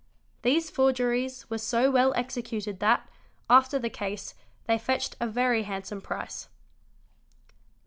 These forgeries were so well executed that, after the case, they fetched a very handsome price.